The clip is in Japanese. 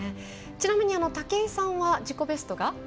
ちなみに武井さんは自己ベストが？